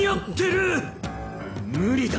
無理だ。